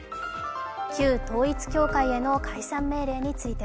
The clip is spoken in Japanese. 旧統一教会への解散命令について。